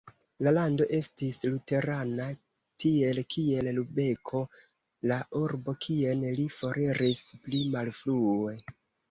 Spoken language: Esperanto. La lando estis luterana, tiel kiel Lubeko, la urbo kien li foriris pli malfrue.